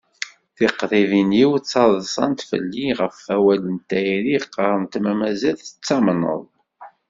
Tiqribin-iw ttaḍṣant felli ɣef wawal n tayri qqarent ma mazal tettamneḍ.